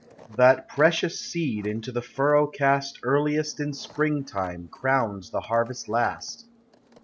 " That precious seed into the furrow cast Earliest in spring time crowns the harvest Inst."